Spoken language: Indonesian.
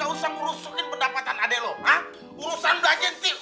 lo nggak usah merusukin pendapatan adek lo ah